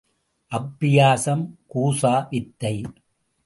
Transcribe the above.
அப்பியாசம் கூசா வித்தை.